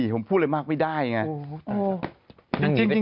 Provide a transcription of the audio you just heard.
ผมพูดอะไรมากไม่ได้ไง